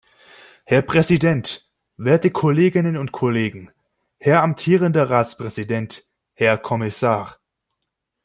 Herr Präsident, werte Kolleginnen und Kollegen, Herr amtierender Ratspräsident, Herr Kommissar!